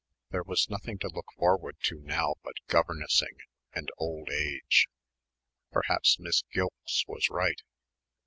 There was nothing to look forward to now but governessing and old age. Perhaps Miss Gilkes was right....